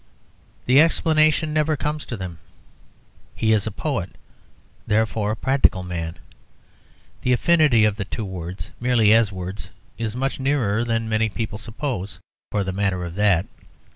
The explanation never comes to them he is a poet; therefore, a practical man. The affinity of the two words, merely as words, is much nearer than many people suppose, for the matter of that.